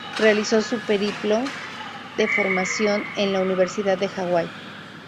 Realizó su periplo de formación en la Universidad de Hawai.